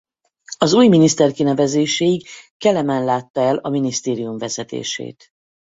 Az új miniszter kinevezéséig Kelemen látta el a minisztérium vezetését.